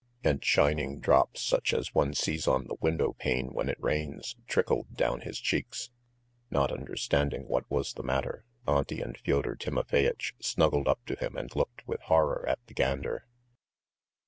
And shining drops, such as one sees on the window pane when it rains, trickled down his cheeks. Not understanding what was the matter, Auntie and Fyodor Timofeyitch snuggled up to him and looked with horror at the gander.